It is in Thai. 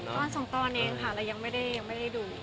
ตอนสองตอนเองค่ะเรายังไม่ได้ดู